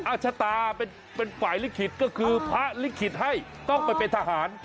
ชะตาเป็นฝ่ายลิขิตก็คือพระลิขิตให้ต้องไปเป็นทหาร